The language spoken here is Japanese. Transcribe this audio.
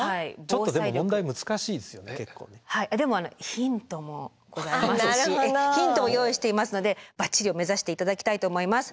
ヒントも用意していますのでバッチリを目指して頂きたいと思います。